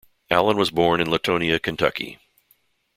Allen was born in Latonia, Kentucky.